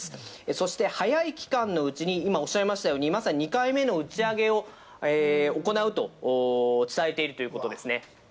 そして早い期間のうちに今おっしゃいましたように２回目の打ち上げを行うと伝えているということですね。